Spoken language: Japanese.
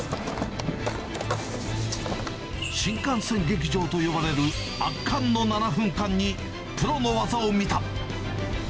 新幹線劇場と呼ばれる、圧巻の７分間に、プロの技を見た。